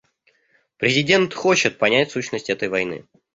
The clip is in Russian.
Президент хочет понять сущность этой войны.